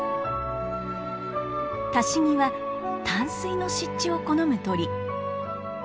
タシギは淡水の湿地を好む鳥。